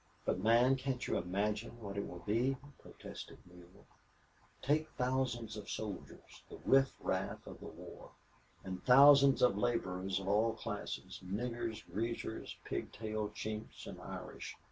"But, man, can't you imagine what it will be?" protested Neale. "Take thousands of soldiers the riffraff of the war and thousands of laborers of all classes, niggers, greasers, pigtail chinks, and Irish.